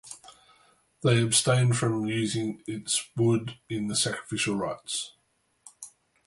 They abstained from using its wood in the sacrificial rites.